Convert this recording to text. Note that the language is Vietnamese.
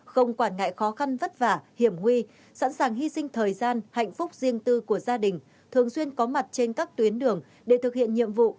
không quản ngại khó khăn vất vả hiểm nguy sẵn sàng hy sinh thời gian hạnh phúc riêng tư của gia đình thường xuyên có mặt trên các tuyến đường để thực hiện nhiệm vụ